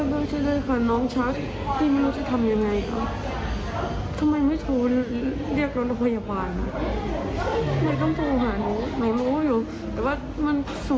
ไปจีนที่เด็กเขียวอ่ะ